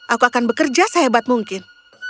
aku akan bekerja sehebat mungkin